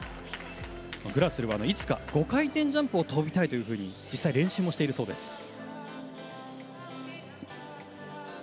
グラスルは、いつか５回転ジャンプを跳びたいと実際、練習もしているそうです。